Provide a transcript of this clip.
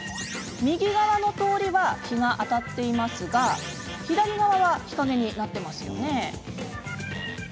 右側の通りは日が当たっていますが左側は日陰になっていますよね。